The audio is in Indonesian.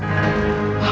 lengkaf avk gak